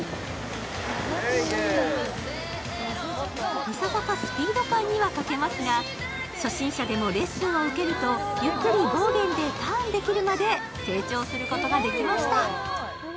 いささかスピード感には欠けますが初心者でもレッスンを受けるとゆっくりボーゲンでターンできるまで、成長することができました。